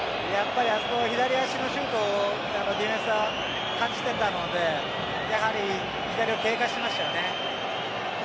あそこ、左足のシュートディフェンスが感じていたのでやはり左を警戒しましたよね。